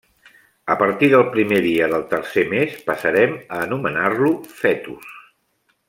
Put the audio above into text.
A partir del primer dia del tercer mes, passarem a anomenar-lo fetus.